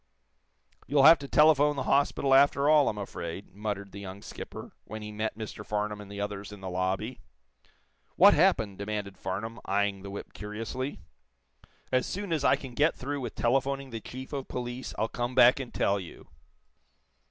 "You'll have to telephone the hospital, after all, I'm afraid," muttered the young skipper, when he met Mr. Farnum and the others in the lobby. "What happened?" demanded Farnum, eyeing the whip curiously. "As soon as I can get through with telephoning the chief of police, I'll come back and tell you."